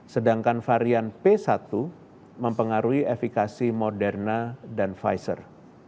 sedangkan varian p satu mempengaruhi efekasi moderna dan pfizer